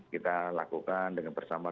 kita lakukan dengan bersama